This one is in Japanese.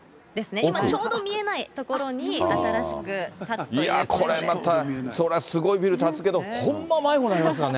今ちょうど見えない所に、いや、これまた、それはすごいビル建つけど、ほんま迷子になりますよね。